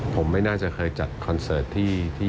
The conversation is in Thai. ผมไม่น่าจะเคยจัดคอนเสิร์ตที่